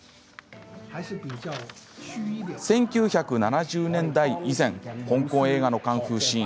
１９７０年代以前香港映画のカンフーシーン。